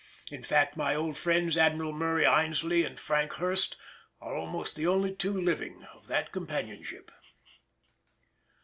In fact my old friends Admiral Murray Aynsley and Frank Hurst are almost the only two living of that companionship.